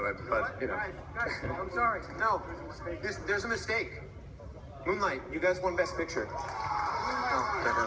มามุฒิมีซีดีเวิร์ซละฮะ